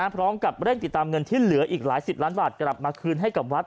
พร้อมกับเร่งติดตามเงินที่เหลืออีกหลายสิบล้านบาทกลับมาคืนให้กับวัด